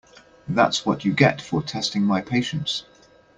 That’s what you get for testing my patience.